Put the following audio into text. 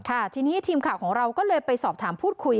ค่ะทีนี้ทีมข่าวของเราก็เลยไปสอบถามพูดคุย